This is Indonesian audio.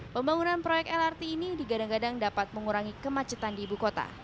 pembangunan proyek lrt ini digadang gadang dapat mengurangi kemacetan di ibu kota